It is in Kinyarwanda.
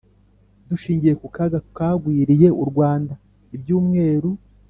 dushingiye ku kaga kagwiriye u rwanda ibyumweru